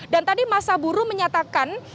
dan tadi masa buru menyatakan